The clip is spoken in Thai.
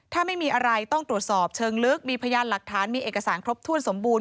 ถ้าไม่มีอะไรต้องตรวจสอบเชิงลึกมีพยานหลักฐานมีเอกสารครบถ้วนสมบูรณ